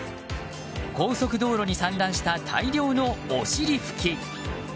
高速道路に散乱した大量のおしり拭き。